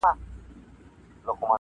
ستا سندره ووایم څوک خو به څه نه وايي -